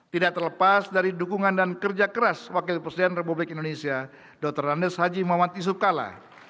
tidak terlepas dari dukungan dan kerja keras wakil presiden insinyur haji joko widodo